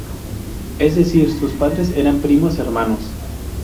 Es decir, sus padres eran primos hermanos.